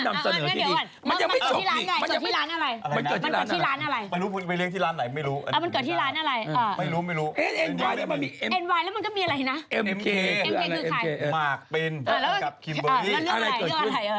แล้วเรื่องอะไรเรื่องวันไทย